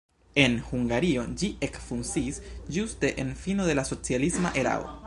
En Hungario ĝi ekfunkciis ĝuste en fino de la socialisma erao.